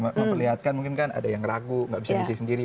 memperlihatkan mungkin kan ada yang ragu nggak bisa misi sendiri